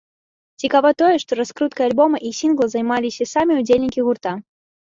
Цікава тое, што раскруткай альбома і сінгла займаліся самі ўдзельнікі гурта.